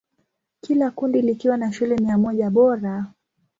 Kila kundi likiwa na shule mia moja bora.